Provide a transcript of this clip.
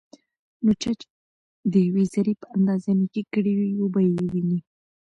نو چا چې دیوې ذرې په اندازه نيکي کړي وي، وبه يې ويني